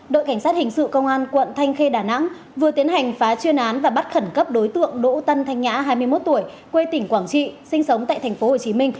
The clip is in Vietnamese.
đội cảnh sát hình sự công an quận thanh khê đà nẵng vừa tiến hành phá chuyên án và bắt khẩn cấp đối tượng đỗ tân thanh nhã hai mươi một tuổi quê tỉnh quảng trị sinh sống tại tp hcm